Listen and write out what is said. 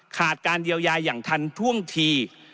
การเยียวยาอย่างทันท่วงที